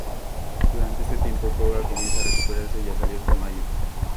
Durante este tiempo, Koga comienza a recuperarse y a salir con Mayu.